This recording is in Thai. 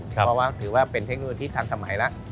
เพราะว่าถือว่าเป็นเทคโนโลยีที่ทันสมัยแล้ว